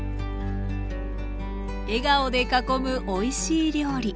笑顔で囲むおいしい料理。